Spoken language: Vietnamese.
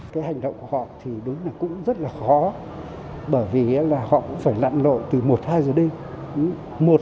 cái hành động của họ thì đúng là cũng rất là khó bởi vì là họ cũng phải lặn lội từ một hai giờ đêm